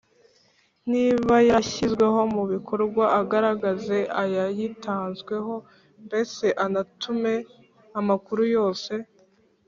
Niba yarashyizwe mu bikorwa agaragaze ayayitanzweho, mbese anatume amakuru yose